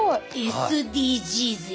ＳＤＧｓや。